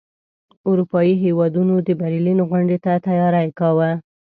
اروپايي هیوادونو د برلین غونډې ته تیاری کاوه.